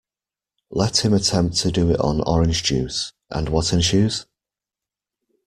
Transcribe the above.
Let him attempt to do it on orange juice, and what ensues?